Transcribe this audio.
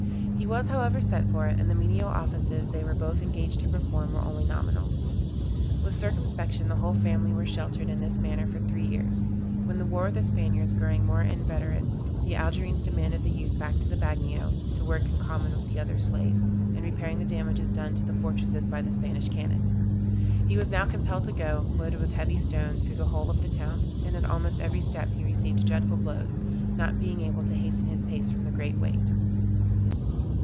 He was, however, sent for, and the menial offices they were both engaged to perform were only nominal. With circumspection the whole family were sheltered in this manner for three years; when the war with the Spaniards growing more inveterate, the Algerines demanded the youth back to the Bagnio, to work in common with the other slaves, in repairing the damages done to the fortresses by the Spanish cannon. He was now compelled to go, loaded with heavy stones, through the whole of the town; and at almost every step he received dreadful blows, not being able to hasten his pace from the great weight.